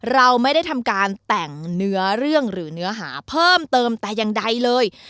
เราไม่ได้ทำการแต่งเนื้อเรื่องหรือเนื้อหาเพิ่มเติมแต่อย่างใดเลย